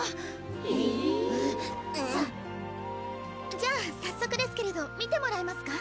じゃあ早速ですけれど見てもらえますか？